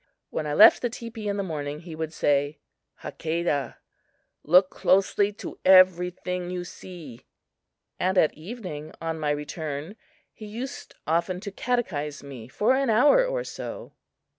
When I left the teepee in the morning, he would say: "Hakadah, look closely to everything you see"; and at evening, on my return, he used often to catechize me for an hour or so.